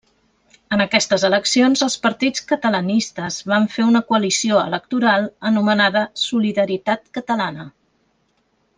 En aquestes eleccions els partits catalanistes van fer una coalició electoral anomenada Solidaritat Catalana.